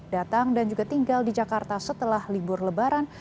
datang dan juga tinggal di jakarta setelah libur lebaran